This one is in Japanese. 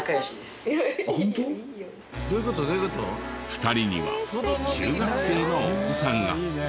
２人には中学生のお子さんが。